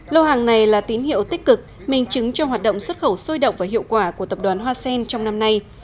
lô hàng này là tín hiệu tích cực minh chứng cho hoạt động xuất khẩu sôi động và hiệu quả của tập đoàn hoa sen trong năm nay